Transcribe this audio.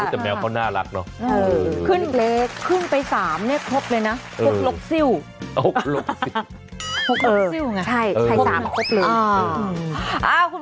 จับแมวค่อนหน้ารัก